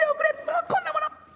まあこんなもの！